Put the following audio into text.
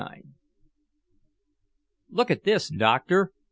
IX "Look at this, Doctor!"